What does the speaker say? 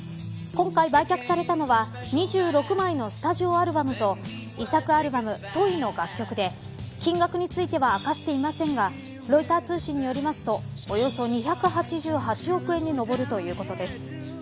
今回売却されたのは２６枚のスタジオアルバムと遺作アルバム、トイの楽曲で金額については明かしていませんがロイター通信によりますとおよそ２８８億円に上るということです。